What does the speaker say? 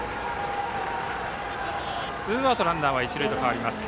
ツーアウトランナー、一塁と変わります。